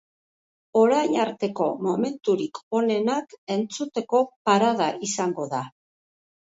Orain arteko momenturik onenak entzuteko parada izango da.